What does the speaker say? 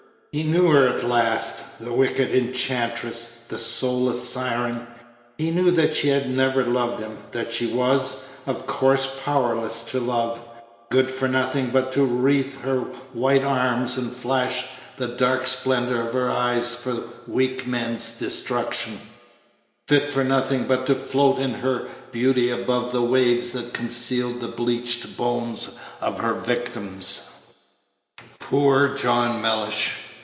He knew her at last, the wicked enchantress, the soulless siren. He knew that she had never loved him; that she was, of course, powerless to love; good for nothing but to wreathe her white arms and flash the dark splendor of her eyes for weak man's destruction; fit for nothing but to float in her beauty above the waves that concealed the bleached bones of her victims. Poor John Mellish!